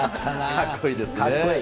かっこいいですね。